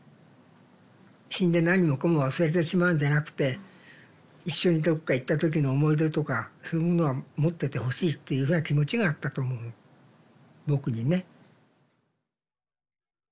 死んで何もかも忘れてしまうんじゃなくて一緒にどっか行った時の思い出とかそういうものは持っててほしいっていうような気持ちがあったと思うの「ぼく」にね。